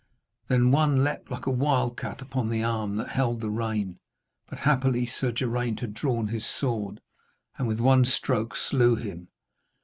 Then one leaped like a wild cat upon the arm that held the rein, but happily Sir Geraint had drawn his sword, and with one stroke slew him.